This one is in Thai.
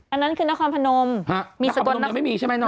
อันนั้นคือนครพนมมีสกลนางไม่มีใช่ไหมเน